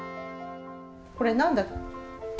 これ何だった？